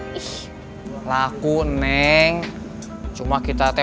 nih aku akan pilih